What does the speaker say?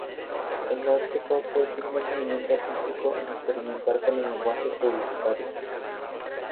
El arte pop fue el primer movimiento artístico en experimentar con el lenguaje publicitario.